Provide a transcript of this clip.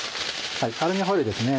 アルミホイルですね